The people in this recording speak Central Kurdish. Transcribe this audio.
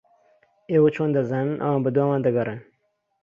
ئێوە چۆن دەزانن ئەوان بەدوامان دەگەڕێن؟